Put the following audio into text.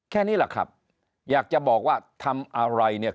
แค่นี้แหละครับอยากจะบอกว่าทำอะไรเนี่ย